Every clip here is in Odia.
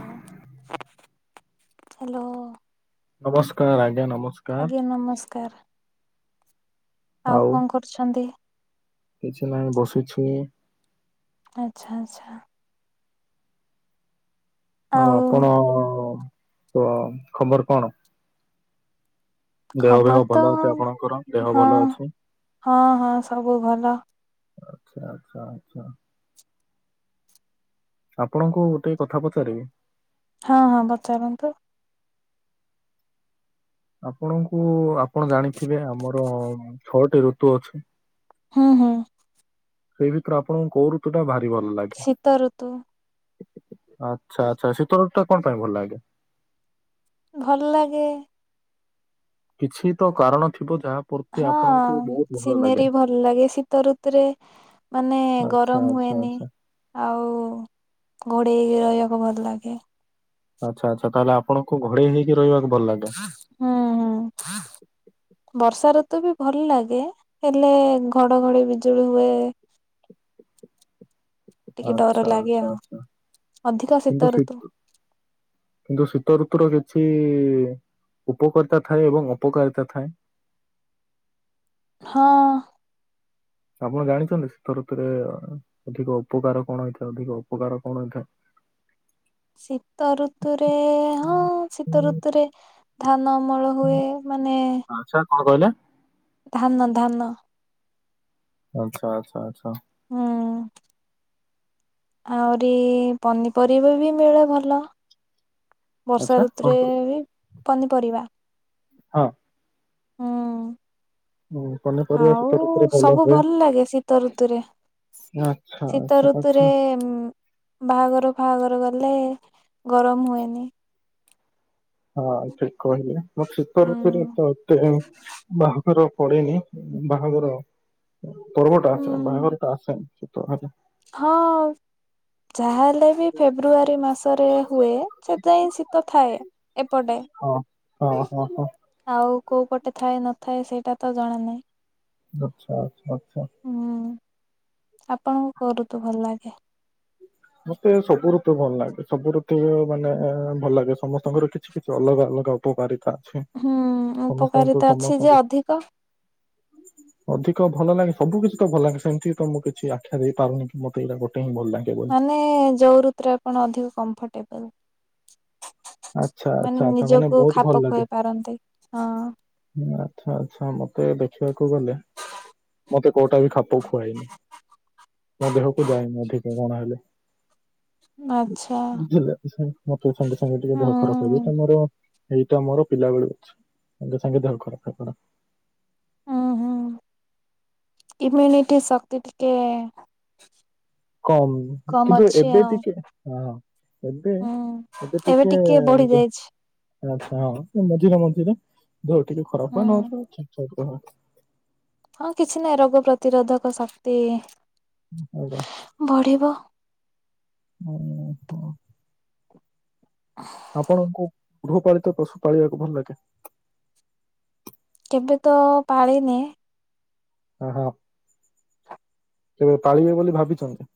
ହ ହ୍ୟାଲୋ ନମସ୍କାର ଆଜ୍ଞା। ନମସ୍କାର ଆଜ୍ଞା ନମସ୍କାର ଆଉ କଣ କରୁଛନ୍ତି? କିଛିନାଇଁ ବସିଛୁ ଆଚ୍ଛା ଆଚ୍ଛା ହ ଆଉ ଆପଣ ଖବର କଣ? ଦେହ ଖବର ଦେହ ତ ଭଲ ଅଛି ଆପଣଙ୍କର ଦେହ ହଁ ଭଲ ଅଛି ହଁ ହଁ ସବୁ ଭଲ। ଆଚ୍ଛା ଆଚ୍ଛା ଆଚ୍ଛା ଆପଣଙ୍କୁ ଗୋଟେ କଥା ପଚାରିବି? ହଁ ହଁ ପଚାରନ୍ତୁ। ଆପଣଙ୍କୁ ଆପଣ ଜାଣିଥିବେ ଆମର ଛଅଟି ଋତୁ ଅଛି ହଁ ହଁ ସେଇ ଭିତରୁ ଆପଣଙ୍କୁ କଉ ଋତୁଟା ଭ ଶୀତଋତୁ। ଆଚ୍ଛା ଆଚ୍ଛା ଶୀତଋତୁ ଟା କଣ ପାଇଁ ଭଲ ଲାଗେ? ଭଲ ଲାଗେ। କିଛି ତ କାରଣ? ଥିବ ଯାହା ପ୍ରତି ହଁ ଆପଣଙ୍କୁ ବହୁତ ଭଲ ଲାଗେ ସିନେରୀ ଭଲ ଲାଗେ, ଶୀତ ଋତୁରେ ମାନେ ଗରମ ଆ ହୁଏନି ଆ୍ଛା [inaudible] ଆଉ ଘୋଡେଇକି ରହିବାକୁ ଭଲ ଲାଗେ ଆଚ୍ଛା ଆଚ୍ଛା ତାହେଲେ ଆପଣଙ୍କୁ ଘୋଡେଇ ହେଇକି ରହିବାକୁ ଭଲ ଲାଗେ ହୁଁ ହୁଁ ବର୍ଷା ଋତୁ ବି ଭଲ ଲାଗେ ହେଲେ ଘଡଘଡି ବିଜୁଳି ହୁଏ ଟିକେ ଡର ଆଚ୍ଛା ଲାଗେ ଆଛା ଆଉ ଆଛା ଅଧିକ କିନ୍ନ୍ତୁ ଶୀତ ସେ ଋତୁ କିନ୍ତୁ ଶୀତଋତୁର କେତେ? କିଛି ଉପକର୍ତ୍ତା ଥାଏ ଏବଂ ଅପକାରିତା ଥାଏ ହଁ ଆପଣ ଜାଣିଛନ୍ତି ଶୀତ ଋତୁରେ ଅଧିକ ଉପକାର କଣ ହେଇଥାଏ ଅଧିକ ଅପକାର କଣ ହେଇଥାଏ? [inaudible] ଶୀତ ଋତୁରେ ହଁ ଶୀତ ଋତୁରେ ଧାନ ଅମଳ ହୁଏ ମାନେ ଆଚ୍ଛା କଣ କହିଲେ? ଧାନ ଧାନ ଆଚ୍ଛା ଆଚ୍ଛା ଆଛା ହୁଁ ଆହୁରି ପନିପରିବା ବି ମିଳେ ଭଲ। ବର୍ଷା ଆଚ୍ଛା କଣ ଋତୁରେ କହିଲେ? ବି ପନିପରିବା। ହଁ ହୁଁ। ଉଁ, ପନିପରିବା ଆଉ ଶୀତ ଋତୁରେ ଭଲ ସବୁ ହୁଏ। ଭଲଲାଗେ ଶୀତ ଋତୁରେ। ଆଚ୍ଛା ଶୀତ ଆଚ୍ଛା ଆଚ୍ଛା ଋତୁରେ ବାହାଘର ଫାହାଘର ଗଲେ ଲେ ଗରମ ହୁଏନି। ହଁ ଠିକ କହିଲେ ବଟ ଶୀତ ହୁଁ ଋତୁରେ ତ ଏତେ ବ ବାଘର ପଡେନି ବାହାଘର ପର୍ବଟା ଆସେ ହୁଁ ବାହାଘରଟା ଆସେନି। ସେତ। [unintelligible] ହଁ। ଯାହାହେଲେ ବି ଫେବୃଆରୀ ମାସରେ ହୁଏ ସେଯାଏଁ ଶୀତ ଥାଏ ଏପଟେ। ଅହ ହ। ଆଉ କୋଉ ପଟେ ଥାଏ ନଥାଏ ସେଇଟା ତ ଜଣା ନାହିଁ। ବଚ୍ଛା ଆଚ୍ଛା ଆଚ୍ଛା। ହୁଁ। ଆପଣଙ୍କୁ କୋଉ ଋତୁ ଭଲଲାଗେ? ମତେ ସବୁ ଋତୁ ଭଲଲାଗେ ସବୁ ଋତୁ ମାନେ ଭଲଲାଗେ ସମସ୍ତଙ୍କର କିଛି କିଛି ଅଲଗା ଅଲ ଲଗା ଉପକାରିତା ଅଛି ହୁଁ ସମସ୍ତଙ୍କୁ ଉପକାରିତା ଅଛି ଯେ ସମସ୍ତଙ୍କୁ ଅଧିକ ଅଧିକ ଭଲଲାଗେ ସବୁ କିଛି ତ ଭଲଲାଗେ ସେମିତି ତ ମୁଁ କିଛି ଆଖ୍ୟା ଦେଇପାରୁନି କି ମୋତେ ଏଇଟା ଗୋଟେ ହିଁ ଭଲଲାଗେ ବୋଲି। ଏ ଯୋଉ ଋତୁରେ ଆପଣ ଅଧିକ କମ୍ଫର୍ଟେବୁଲ୍। ଆଚ୍ଛା ଆଚ୍ଛା ମାନେ ଆଚ୍ଛା ନିଜକୁ ବହୁତ ଭଲ ଲାଗେ ଖାପଖୁଆଇ ପାରନ୍ତି ହଁ। ଆଚ୍ଛା ଆଚ୍ଛା ମତେ ଦେଖିବାକୁ ଗଲେ ମତେ କୋଉଟା ବି ଖାପ ଖୁଆଇନି। ମୋ ଦେହକୁ ଯାଏନି ମୁଁ ଅଧିକ କଣ ହେଲେ। ଆଛା। ବୁଝିଲେ ସେ- ମତେ ସାଙ୍ଗେ ସାଙ୍ଗେ ଟିକେ ଦେହ ଖରାପ ହେଇଯାଏ ତ ମୋର ଏଇଟା ମୋର ପିଲାବେଳୁ ଅଛି ସାଙ୍ଗେ ସାଙ୍ଗେ ଦେହ ଖରାପ ହେବା। ହୁଁ ହୁଁ। ଇମ୍ୟୁନିଟି ଶକ୍ତି ଟିକେ କମ୍ କମ୍ କିନ୍ତୁ ଅଛି ଏବେ ଆଉ ଟିକେ ହଁ ହଁ। ଏବେ ହୁଁ ଏବେ ଟିକେ ଯାହା ଆଚ୍ଛା ହଁ ମଝିରେ ମଝିରେ ଦେହ ଟିକେ ଖରାପ ହୁଁ। ହୁଏ ନହଲେ ଠିକଠାକ ରୁହେ। ହଁ କିଛି ନାହିଁ ରୋଗ ପ୍ରତିରୋଧକ ଶକ୍ତି ବଢିବ। ଓହୋ। ଆପଣଙ୍କୁ ଗୃହପାଳିତ ପଶୁ ପାଳିବାକୁ ଭଲଲାଗେ? ଏବେ ତ ପାଳିିନେ। ଓହୋ। କେବେ ପାଳିବେ ବୋଲି ଭାବିଛନ୍ତି?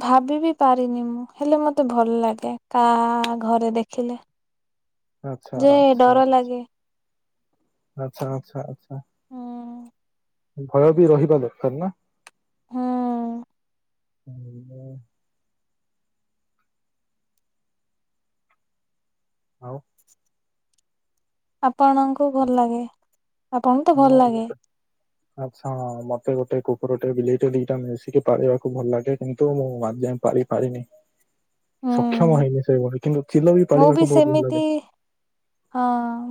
ଭାବ ବି ପାରିନି ମୁଁ ହେଲେ ମତେ ଭଲଲାଗେ କା ଘରେ ଦେଖିଲେ। ଆଚ୍ଛା ଯେ ଆଚ୍ଛା ଡର ଲାଗେ। ଆଚ୍ଛା ଆଚ୍ଛା ଆଚ୍ଛା। ହୁଁ ଭୟ ବି ରହିବା ଦରକାର ନା। ହୁଁ ଉଁ ମୁଁ ଆଉ ଆପଣଙ୍କୁ ଭଲଲାଗେ ଆପଣଙ୍କୁ ତ ହଁ ଭଲ ଲାଗେ। ମତେ ଆଚ୍ଛା ମତେ ଗୋଟେ କୁକୁରଟେ ବିଲେଇଟେ ଦିଟା ମିଶିକି ପଳିବାକୁ ଭଲ ଲାଗେ କିନ୍ତୁ ମୁଁ ମାନ୍ ଏଯାଏଁ ପାଳି ପାରିନି। ହୁଁ ସକ୍ଷମ ହେଇନି ସେଭଳି କିନ୍ତୁ ଚିଲ ବି ମୁଁ ପାଳିବାକୁ ବୋହୁତ ସେମିତି ଭଲଲାଗେ। ହଁ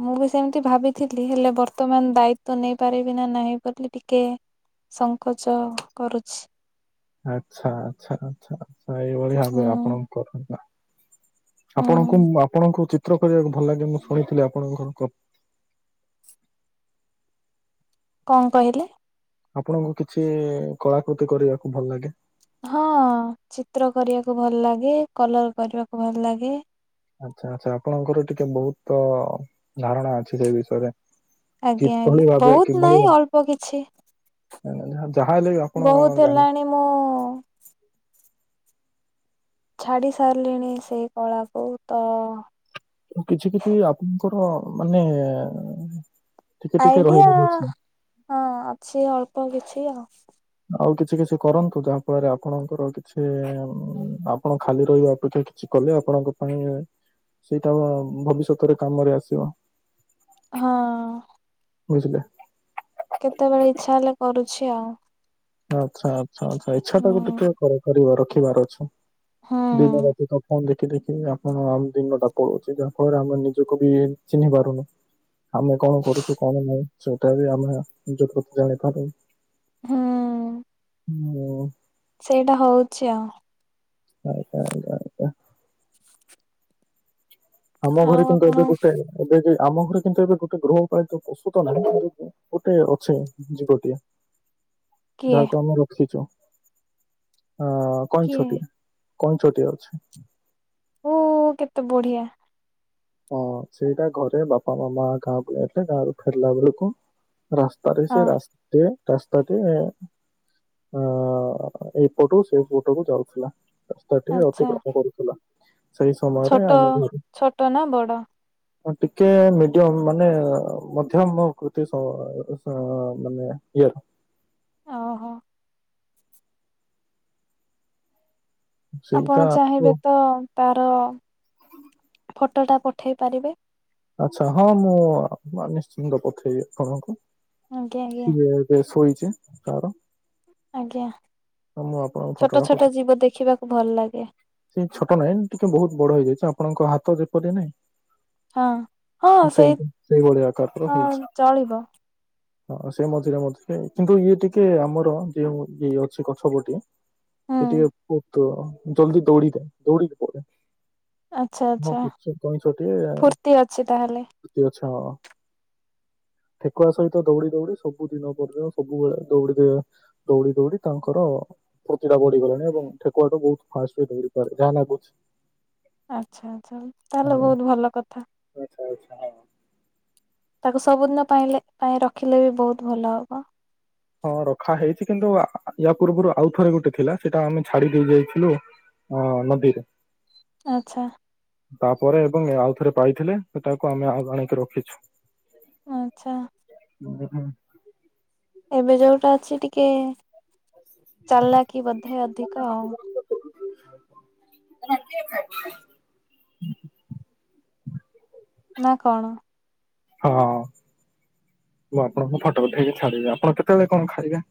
ମୁଁ ବି ସ ସେମତି ଭାବିଥିଲି ହେଲେ ବର୍ତ୍ତମାନ ଦାୟିତ୍ୱ ନେଇପାରିବି ନା ନାହିଁ ବୋଲି ଟିକେ ସଙ୍କୋଚ କରୁଛି। ଆଚ୍ଛା ଆଚ୍ଛା ଆଚ୍ଛା ଆଚ୍ଛା ଏଇଭଳି ହୁଁ ହୁଏ ଆପଣଙ୍କୁ କରୁନା ହୁଁ ଆପଣଙ୍କୁ ମୁଁ ଆପଣଙ୍କୁ ଚି ସ୍ତ୍ର କରିବାକୁ ଭଲ ଲାଗେ ମୁଁ ଶୁଣିଥିଲି ଆପଣଙ୍କ କ କଣ କହିଲେ? ଆପଣଙ୍କୁ କିଛି କଳାକୃତି କରିବାକୁ ଭଲ ଲାଗେ? ହଁ ଚିତ୍ର କରିବାକୁ ଭଲ ଲାଗେ କଲର କରିବାକୁ ଭଲ ଲାଗେ। ଆଚ୍ଛା ଆଚ୍ଛା ଆପଣଙ୍କର ଟିକେ ବହୁତ ଧାରଣା ଅଛି ସେଇ ବିଷୟରେ। ଆଜ୍ଞା କିଭଳି ଆଜ୍ଞା ଭାବେ ବହୁତ ନାହିଁ ଅଳ୍ପ କିଛି। ଏଁ ଯାହା ହେଲେ ବି ଆପଣ ବହୁତ ଜାଣିବ ହେଲାଣି ମୁଁ ଛାଡି ସାରିଲିଣି ସେଇ କଳା କୁ ତ କିଛି କିଛି ଆପଣଙ୍କର ମାନେ ଟିକେ ଟିକେ ଆଇଡିଆ ରହିବ ହଁ ଅଛି ଅଳ୍ପ କିଛି ଆଉ। ଆଉ କିଛି କିଛି କରନ୍ତୁ ଯାହା ଫଳରେ ଆପଣଙ୍କର କିଛି ଆପଣ ଖାଲି ରହିବା ଅପେକ୍ଷା କିଛି କଲେ ଆପଣଙ୍କ ପାଇଁ ସେଇଟା ଭବିଷ୍ୟତରେ କାମରେ ଆସିବ। ହଁ। ବୁଝିଲେ। କେତୋବେଳେ ଇଚ୍ଛା ହେଲେ କରୁଛି ଆଉ। ଆଛା ଆଛା ଆଛା ଇଚ୍ଛା ଟାକୁ ହୁଁ ଟିକେ କରେ କରିବାର ରଖିବାର ଅଛି। ଦିନ ହୁଁ ରାତି ତ ଫୋନ ଦେ କି ଦେଖି ଆପଣ ଆମ ଦିନଟା ପଲଉଚି ଯାହା ଫଳରେ ଆମେ ନିଜକୁ ବି ଚିହ୍ନି ପାରୁନୁ। ଆମେ କଣ କରୁଚୁ କଣ ନାଇଁ ସେଇଟା ବି ଆମେ ନିଜ ପ୍ରତି ଜାଣିପାରୁ। ହୁଁ। ହୁଁ। ସେଇଟା ହୋଉଛି ଆଉ। ଆଉ [unintelligible] ଆଜ୍ଞା ଆଜ୍ଞା। ଆମ ଆଉ ଘରେ କିନ୍ତୁ ଏବେ ଆପଣ ଗୋଟେ ଏବେ କି ଆମ ଘରେ କିନ୍ତୁ ଏବେ ଗୋଟେ ଗୃହପାଳିତ ପଶୁ ତ ନାହିଁ କିନ୍ତୁ ଗୋଟେ ଅଛି ଜୀବଟିଏ। କିଏ ଯାହାକୁ ଆମେ ରଖିଚୁ। ହଁ କିଏ କଇଁଛ ଟିଏ କଇଁଛ ଟିଏ ଅଛି। ଓ କେତେ ବଢିଆ। ହଁ ସେଇଟା ଘରେ ବାପା ମାମା ଗାଁକୁ ଯାଇଥିଲେ ଗାଁରୁ ଫେରିଲା ବେଳୁକୁ ରାସ୍ତାରେ ହଁ ସେ ରାସ୍ତେ ରାସ୍ତାଟେ ଅ ଏଇପଟକୁ ସେପଟକୁ ଯାଉଥିଲା। ରାସ୍ତାଟି ଆଚ୍ଛା ଅତିକ୍ରମ କରୁଥିଲା। ସେଇ ସମୟରେ ଛୋଟ ଆମ ଘର ଛୋଟ ନା ବଡ଼? ଟିକେ ମିଡିୟମ ମାନେ ମଧ୍ୟମ କୃତି ସ ସ ମାନେ ଇଏର ଓହୋ। ଆପଣ ସେଇଟା ଚାହିଁବେ ତ ତାର - ଫଟୋଟା ପଠେଇ ପାରିବେ। ଆଛା ହଁ ମୁଁ ନିଶ୍ଚିନ୍ତ ପଠେଇବି ଆପଣଙ୍କୁ। ଆଜ୍ଞା ଆଜ୍ଞା ଇଏ ଏବେ ଶୋଇଛି ତାର। ଆଜ୍ଞା ମୁଁ ଆପଣଙ୍କ ଛୋଟ ଫଟୋଟା ଛୋଟ ଜୀବ ଦେଖିବାକୁ ଭଲ ଲାଗେ। ପଠେଇଛି ଛୋଟ ନାଇଁ ଟିକେ ବହୁତ ବଡ ହେଇଯାଇଛି ଆପଣଙ୍କ ହାତ ଯେପରି ନାଇଁ। ହଁ ସେଇ ସେଇଭଳିଆ ଆକାର ହଁ ହେଇଛି। ଚଳିବ ହଁ ସେ ମଝିରେ ମଝିରେ କିନ୍ତୁ ଇଏ ଟିକେ ଆମର ଯୋଉ ଇଏ ଅଛି ଗଛପଟି। ହୁଁ ସେ ଟିକେ ବହୁତ ଜଲଦି ଦୌଡ଼ି ଟା ଦୌଡ଼ିିକି ପଳାଏ। ଆଚ୍ଛା ଆଚ୍ଛା ଫୁର୍ତ୍ତି ଅଛି ତାହେଲେ [unintelligible] ଠେକୁଆ ସହିତ ଦୌଡି ଦୌଡି ସବୁ ଦିନ ପରଦିନ ସବୁବେଳେ ଦୌଡି ଦିଏ ଦୌଡି ଦୌଡି। ତାଙ୍କର ଫୂର୍ତ୍ତି ଟା ବଢିଗଲାଣି ଏବଂ ଠେକୁଆ ଟୁ ବହୁତ ଫାଷ୍ଟରେ ଦଉଡ଼ି ପାରେ ଯାହା ଲାଗୁଛି। ଆଛା ଆଚ୍ଛା ତାହଲେ ବହୁତ ଭଲ କଥା। ଓ ଆଛା ହଁ। ତାକୁ ସବୁଦିନ ପାଇଲେ ପାଇଁ ରଖିଲେ ବି ବହୁତ ଭଲ ହବ। ହଁ ରଖା ହେଇଛି କିନ୍ତୁ ୟା ପୂର୍ବରୁ ଆଉ ଥରେ ଗୋଟେ ଥିଲା ସେଇଟା ଆମେ ଛାଡି ଦେଇଯାଇଥିଲୁ ହଁ ନଦୀରେ ଆଚ୍ଛା। ତାପରେ ଏବଂ ଆଉ ଥରେ ପାଇଥିଲେ ସେ ତାକୁ ଆମେ ଆଉ ଆଣିକି ରଖିଛୁ। ଆଚ୍ଛା। [unintelligible] ଏବେ ଯୋଉଟା ଅଛି ଟିକେ ଚାଲିକି ବୋଧେ ଅଧିକ ଆଉ ନା କଣ! ହଁ। ମୁଁ ଆପଣଙ୍କୁ ଫଟୋ ପଠେଇକି ଛାଡିବି ଆପଣ କେତେବେଳେ କଣ ଖାଇବେ?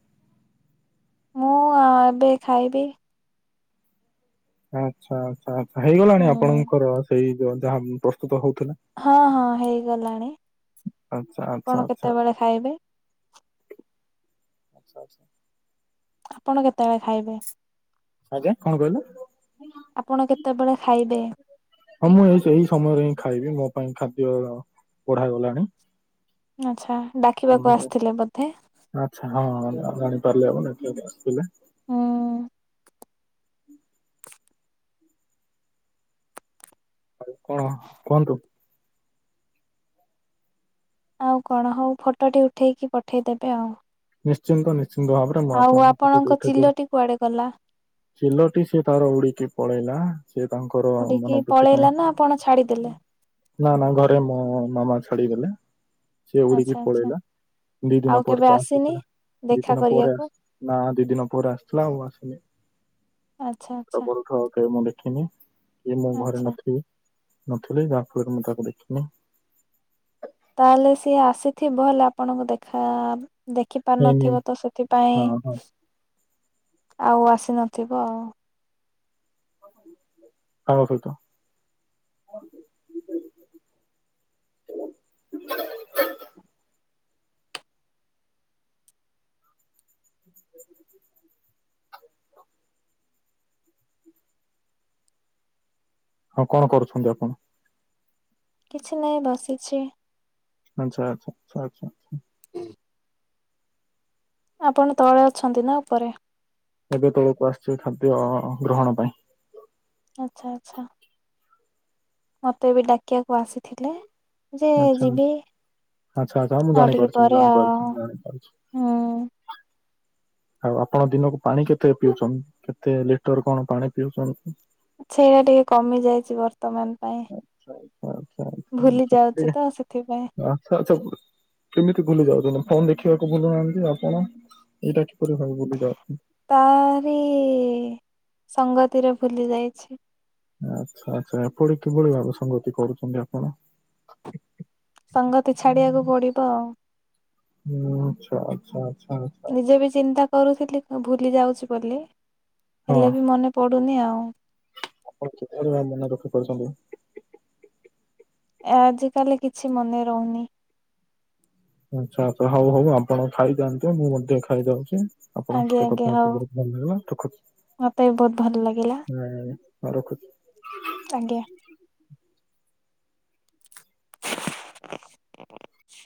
ମୁଁ ଅ ଏବେ ଖାଇବି। ଆଛା ଆଛା ଆଛା ହେଇଗଲାଣି ହୁଁ ଆପଣଙ୍କର ସେଇ ଯୋ ଯାହା ପ୍ରସ୍ତୁତ ହଉ ହଁ ହଁ ହେଇଗଲାଣି ଆଚ୍ଛା ଆପଣ କେତେବେଳେ ଖାଇବେ? ଆଛା ଆଛା। ଆପଣ କେତେବେଳେ ଖାଇବେ? ଆଜ୍ଞା। କଣ କହିଲେ? ଆପଣ କେତେବେଳେ ଖାଇବେ? ହଁ ମୁଁ ଏ ସେହି ସମୟରେ ହିଁ ଖାଇବି ମୋ ପାଇଁ ଖାଦ୍ୟ ବଢାଗଲାଣି। ଆଚ୍ଛା ଡାକିବାକୁ ଆସିଥିଲେ ବୋଧେ ଆଛା ହଁ ଆଉ ଗାଡି ପାରିଲେ ହବ ନା କିଏ ଗୋଟେ ଆସଥିଲେ? ହୁଁ। ଆଉ କଣ କୁହନ୍ତୁ? ଆଉ କଣ ହଉ ଫଟୋଟି ଉଠେଇକି ପଠେଇଦେବେ ଆଉ। ନିଶ୍ଚିନ୍ତ ନି [unintelligible] ଭାବରେ ମୁଁ ଆଉ ଆପଣଙ୍କ [unintelligible] ଚିଲଟି କୁଆଡେ ଗଲା? ଚିଲଟି ସିଏ ତାର ଉଡିକି ପଳେଇଲା ସିଏ ତାଙ୍କର ଉଡିକି ମନୋବୃତ୍ତିି ପାଇଁ ପଳେଇଲା ନା ଆପଣ ଛାଡିଦେଲେ? ନା ନା ଘରେ ମୋ ମାମା ଛାଡ଼ିଗଲେ। ସେ ଆଚ୍ଛା ଉଡିକି ଆଚ୍ଛା ପଳେଇଲା ଦି ଆଉ ଦିନ କେବେ ପରେ ତ ଆସେ। ଆସିନି? ଦି ଦେଖା ଦିନ ପରେ କରିବାକୁ ଆସି ନା ଦି ଦିନ ପରେ ଆସିଥିଲା ଆଉ ଆସନି। ଆଚ୍ଛା ତା ଆଚ୍ଛା ପରଠୁ ଆଉ କାଇଁ ମୁଁ ଦେଖିନି କି ମୁଁ ଘରେ ଆଚ୍ଛା। ନଥିବି। ନଥିଲି କି ଯାହା ଫଳରେ କି ମୁଁ ତାକୁ ଦେଖିନି। ତାହେଲେ ସିଏ ଆସିଥିବ ହେଲେ ଆପଣଙ୍କୁ ଦେଖା ଦେଖି ପାରି ହେଇନି ନଥିବ ତ ହଁ ସେଥିପାଇଁ ହଁ ଆଉ ଆସିନଥିବ ଆଉ ଆମ ସହିତ ହ ହ ହଁ କଣ କରୁଛନ୍ତି ଆପଣ? କିଛି ନାହିଁ ବସିଛି। ଆଚ୍ଛା ଆଚ୍ଛା ଆଛା ଆଛାା ହୁଁ ଆପଣ ତଳେ ଅଛନ୍ତି ନା ଉପରେ? ଏବେ ତଳକୁ ଆସିଛି ଖାଦ୍ୟ ଗ୍ରହଣ ପାଇଁ। ଆଚ୍ଛା ଆଚ୍ଛା। ମତେ ଏବେ ଡାକିଆକୁ ଆସିଥିଲେ ଯେ ଆଚ୍ଛା ଯିବି। ଆଚ୍ଛା ଆଚ୍ଛା ଆଚ୍ଛା ହ ମୁଁ ଆଉ ଟିକେ ଜାଣିପାରୁଛି ପରେ ଜାଣିପାରୁଛି ଆଉ ହୁଁ। ଜାଣିପାରୁଛି। ଆଉ ଆପଣ ଦିନକୁ ପାଣି କେତେ ପିଉଛନ୍ତି କେତେ ଲିଟର କଣ ପାଣି ପିଉଛନ୍ତି? ସେଇଟା ଟିକେ କମି ଯାଇଛି ବ ଆଚ୍ଛା ଆଚ୍ଛା ଆଛା ଭୁଲି ଆଛା। ଯାଉଛି ତ ସେଥିପାଇଁ ଆଚ୍ଛା ଆଚ୍ଛା କେମିତି ଭୁଲି ଯାଉଛନ୍ତିି। ଫୋନ ଦେଖିବାକୁ ଭୁଲୁ ନାହାନ୍ତି ଆପଣ ଏଇଟା। ଭୂଲି ଯାଉଛନ୍ତି। ସଂଙ୍ଗତି ରେ ଭୁଲି ଯାଇଛି। ଆଛା ଆଚ୍ଛା ଏପରି କିଭଳି ଭାବେ ସଂଙ୍ଗତି କରୁଛନ୍ତି ଆପଣ। ସଙ୍ଗତି ଛାଡିବାକୁ ପଡିବ ଆଉ ହୁଁ ଆଚ୍ଛା ଆଚ୍ଛା। ଆଚ୍ଛା ନିଜେ ବି ଚିନ୍ତା କରୁଥିଲି ଭୁଲି ଯାଉଛି ବୋଲି ହଁ ହେଲେ ବି ମନେ ପଡୁ। ଡୁନି ଆଉ। ଆପଣ କିପରୀ ଭାବେ ମନେ ରଖିପାରୁଛନ୍ତି। ଏ ଆଜିକାଲି କିଛି ମନେ ରହୁନି। ଆଛା ଆଛା ହଉ ହଉ ଆପଣ ଖାଇ ଜାଆନ୍ତୁ ମୁଁ ମଧ୍ୟ ଖାଇ ଜାଉଚି। ଆପଣ ଙ୍କ ଆଜ୍ଞା ସହିତ ଆଜ୍ଞା କଥା ହୋଇକି ହଉ ବହୁତ ଭଲ ଲାଗିଲ ରଖୁଚି ମତେ ବି ବହୁତ ଭଲ ଲାଗିଲା ହୁଁ। ହଁ ରଖୁଛି। ଆଜ୍ଞା।